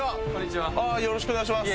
よろしくお願いします。